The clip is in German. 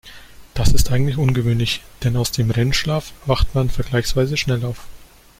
Das ist eigentlich ungewöhnlich, denn aus dem REM-Schlaf wacht man vergleichsweise schnell auf.